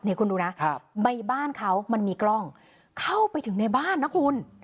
นี่คุณดูนะใบบ้านเขามันมีกล้องเข้าไปถึงในบ้านนะคุณ